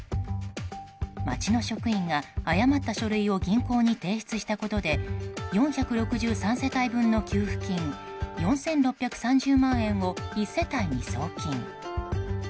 町の職員が誤った書類を銀行に提出したことで４６３世帯分の給付金４６３０万円を１世帯に送金。